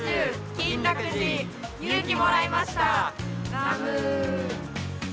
金楽寺勇気もらいました南無。